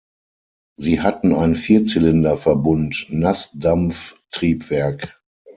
Sie hatten ein Vierzylinder-Verbund-Nassdampftriebwerk.